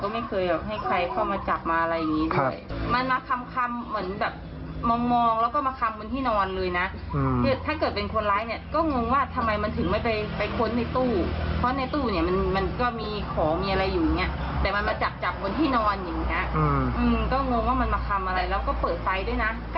มันมาทำอะไรแล้วก็เปิดไฟด้วยนะ